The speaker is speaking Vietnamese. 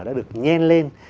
đã được nhen lên